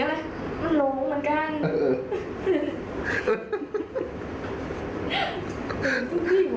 จนแต่มันต่ำเหลือนั่นเลย